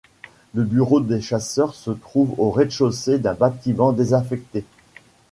Le bureau des chasseurs se trouve au rez-de-chaussée d'un bâtiment désaffecté.